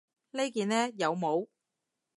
呢件呢？有帽